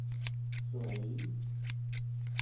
Tekreḥ-iyi?